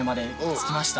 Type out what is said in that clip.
着きました。